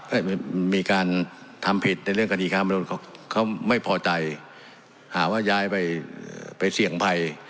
มีการทำผิดในเรื่องคดีค้ามนุษย์เขาไม่พอใจหาว่าย้ายไปไปเสี่ยงภัย